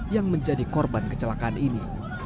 yang menjadi korban kecelakaan ini